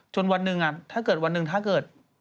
วันหนึ่งถ้าเกิดวันหนึ่งถ้าเกิด